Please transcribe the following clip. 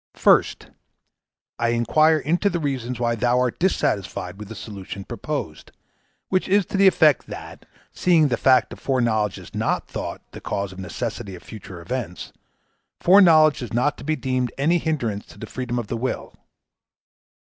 First, I inquire into the reasons why thou art dissatisfied with the solution proposed, which is to the effect that, seeing the fact of foreknowledge is not thought the cause of the necessity of future events, foreknowledge is not to be deemed any hindrance to the freedom of the will.